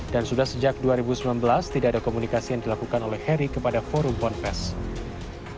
dan sudah sejak dua ribu sembilan belas tidak ada komunikasi yang dilakukan oleh heri kepada forum pondok pesantren